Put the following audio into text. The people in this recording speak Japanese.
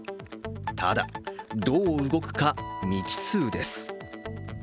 ただ、どう動くか未知数です。